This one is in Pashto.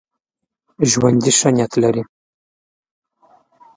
ژوندي ښه نیت لري